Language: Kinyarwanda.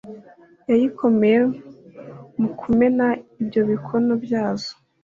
yayo ikomeye mu kumena ibyo bikono byazo.